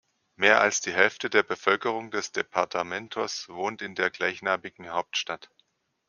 Mehr als die Hälfte der Bevölkerung des Departamentos wohnt in der gleichnamigen Hauptstadt.